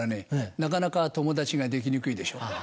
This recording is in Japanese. なかなか友達ができにくいでしょ。